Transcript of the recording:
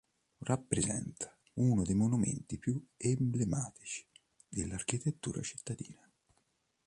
Rappresenta uno dei monumenti più emblematici dell'architettura cittadina.